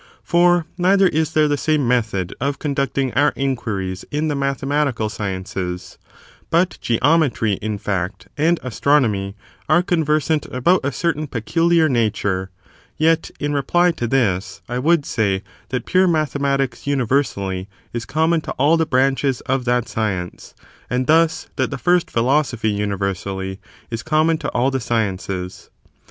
For neither is there the same method of conducting our inquiries in the mathematical sciences ; but geometry, in feet, and astronomy, are conversant about a certain peculiar nature : yet, in reply to this, I would say that pure mathematics universally ^ is common to all the branches of that science, and thus that the first philosophy universally is common to all the sciences.